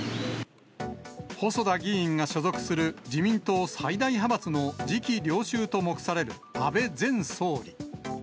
細田議員が所属する、自民党最大派閥の次期領袖と目される安倍前総理。